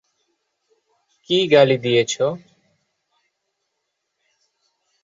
কী গালি দিয়েছো?